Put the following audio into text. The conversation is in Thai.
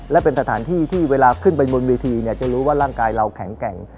และเป็นสถานที่ที่เวลาขึ้นไปบนเวทีเนี่ยจะรู้ว่าร่างกายเราแข็งแกร่ง